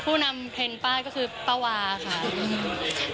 ผู้นำเพล็นป๊าก็คือป๊าวาค่ะ